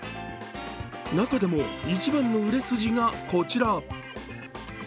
中でも一番の売れ筋がこちら。